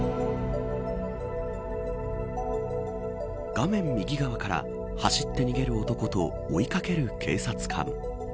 画面右側から走って逃げる男と追い掛ける警察官。